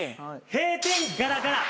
閉店ガラガラ。